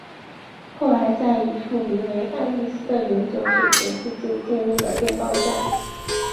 后来在一处名为爱丽斯的永久水泉附近建立了电报站。